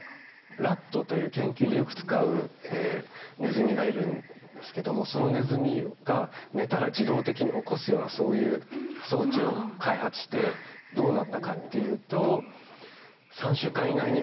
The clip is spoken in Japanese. ラットという研究でよく使うネズミがいるんですけどもそのネズミが寝たら自動的に起こすようなそういう装置を開発してどうなったかっていうとえ！